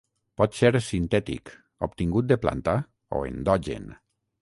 Pot ser sintètic, obtingut de planta, o endogen.